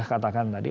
saya katakan tadi